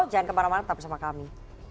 jangan kemana mana tetap bersama kami